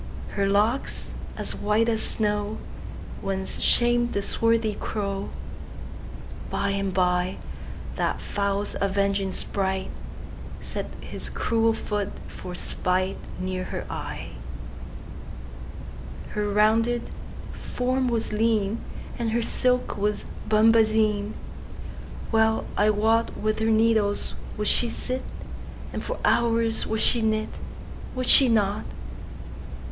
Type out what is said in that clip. Her locks, as white as snow, Once sham'd the swarthy crow:By and byThat fowl's avenging spriteSet his cruel foot for spiteNear her eye. Her rounded form was lean, And her silk was bombazine:Well I wotWith her needles would she sit, And for hours would she knit,—Would she not?